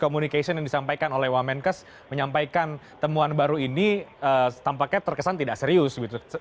komunikasi yang disampaikan oleh wamenkes menyampaikan temuan baru ini tampaknya terkesan tidak serius